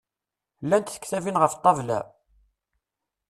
Llant tektabin ɣef ṭṭabla?